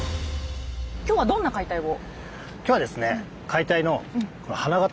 きょうはどんな解体を？